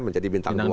menjadi bintang dua